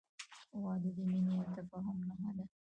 • واده د مینې او تفاهم نښه ده.